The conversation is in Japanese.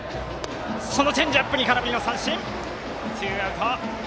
そのチェンジアップに空振り三振、ツーアウト！